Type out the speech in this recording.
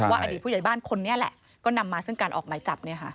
อดีตผู้ใหญ่บ้านคนนี้แหละก็นำมาซึ่งการออกหมายจับ